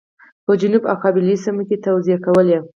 په جنوب او قبایلي سیمو کې توزېع کولې.